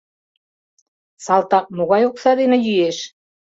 — Салтак могай окса дене йӱэш?